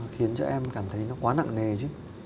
khiến cho em cảm thấy nó quá nặng nề chứ